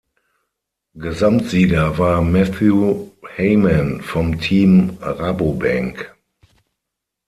Gesamtsieger war Mathew Hayman vom Team Rabobank.